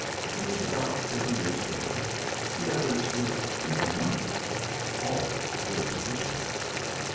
He was about thirty years of age; the others were even younger; all were physicians.